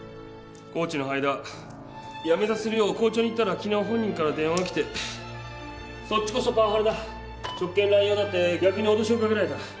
コーチの灰田辞めさせるよう校長に言ったら昨日本人から電話が来て「そっちこそパワハラだ職権乱用だ」って逆に脅しをかけられた